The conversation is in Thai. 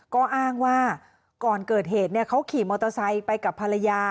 ก็อ้างว่าก่อนเกิดเหตุเนี่ยเขาขี่บัวไซต์ไปกับภรรยา